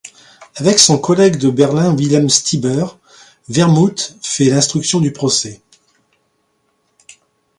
Avec son collègue de Berlin Wilhelm Stieber, Wermuth fait l'instruction du procès.